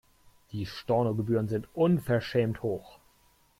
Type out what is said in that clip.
Die Stornogebühren sind unverschämt hoch.